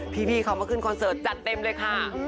พี่เขามาขึ้นคอนเสิร์ตจัดเต็มเลยค่ะ